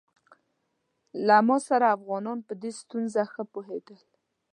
له ما سره افغانان په دې ستونزه ښه پوهېدل.